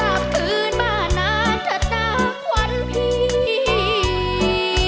แต่วจากกลับมาท่าน้าที่รักอย่าช้านับสิสามเชย